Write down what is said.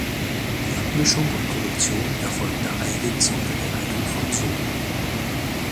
Die Abmischung und Produktion erfolgte eigens unter der Leitung von Som.